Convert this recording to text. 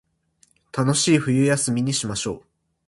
楽しい冬休みにしましょう